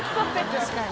確かに。